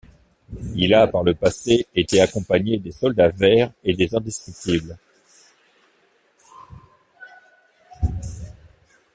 Il a, par le passé, été accompagné des soldats verts et des Indestructibles.